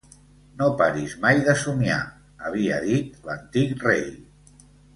"No paris mai de somiar", havia dit l'antic rei.